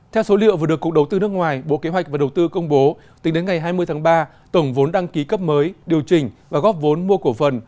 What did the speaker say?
theo số liệu vừa được cục đầu tư nước ngoài bộ kế hoạch và đầu tư công bố tính đến ngày hai mươi tháng ba tổng vốn đăng ký cấp mới điều chỉnh và góp vốn mua cổ phần